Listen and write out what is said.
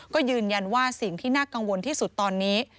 ก็ยืนยันว่าสิ่งที่น่ากังวลที่สุดตอนนี้